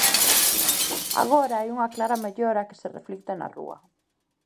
Agora hai unha clara mellora, que se reflicte na rúa.